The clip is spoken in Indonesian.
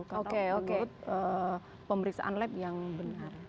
kalau menurut pemeriksaan lab yang benar